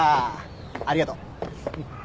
ありがと。